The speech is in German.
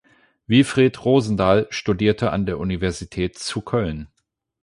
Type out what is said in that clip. Wilfried Rosendahl studierte an der Universität zu Köln.